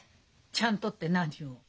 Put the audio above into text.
「ちゃんと」って何を？